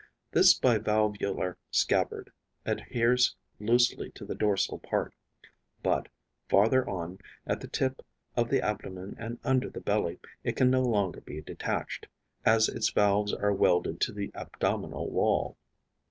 This bivalvular scabbard adheres loosely to the dorsal part; but, farther on, at the tip of the abdomen and under the belly, it can no longer be detached, as its valves are welded to the abdominal wall.